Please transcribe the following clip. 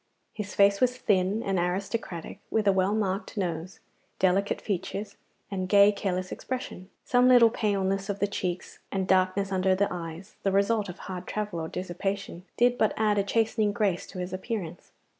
His face was thin and aristocratic, with a well marked nose, delicate features, and gay careless expression. Some little paleness of the cheeks and darkness under the eyes, the result of hard travel or dissipation, did but add a chastening grace to his appearance.